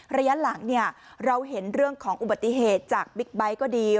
ระยะหลังเนี่ยเราเห็นเรื่องของอุบัติเหตุจากบิ๊กไบท์ก็ดี